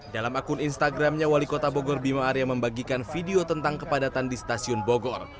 dalam akun instagramnya wali kota bogor bima arya membagikan video tentang kepadatan di stasiun bogor